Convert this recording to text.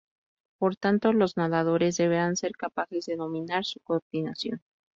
Por tanto, los nadadores deberán ser capaces de dominar su coordinación.